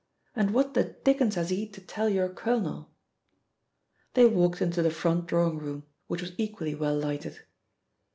"And what the dickens has he to tell your colonel?" They walked into the front drawing room, which was equally well lighted.